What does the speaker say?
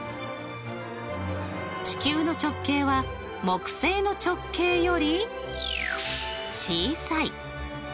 地球の直径は木星の直径より小さい。